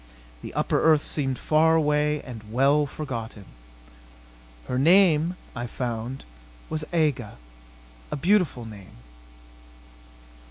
The upper earth seemed far away and well forgotten. Her name, I found, was Aga. A beautiful name....